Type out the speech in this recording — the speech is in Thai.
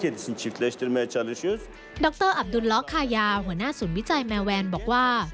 รอับดุลล้อคายาหัวหน้าศูนย์วิจัยแมวแวนบอกว่า